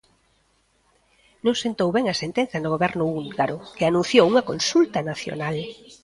Non sentou ben a sentenza no Goberno húngaro, que anunciou unha consulta nacional.